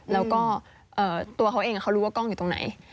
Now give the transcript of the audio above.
แล้วก็ตัวเขาเองเขารู้ว่ากล้องอยู่ตรงไหน